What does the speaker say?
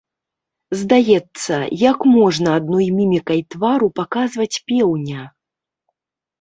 Здаецца, як можна адной мімікай твару паказваць пеўня?